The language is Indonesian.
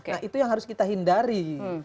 nah itu yang harus kita hindari